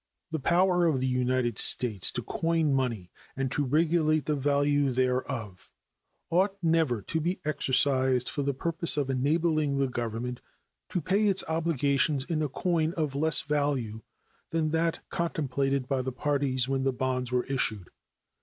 The power of the United States to coin money and to regulate the value thereof ought never to be exercised for the purpose of enabling the Government to pay its obligations in a coin of less value than that contemplated by the parties when the bonds were issued.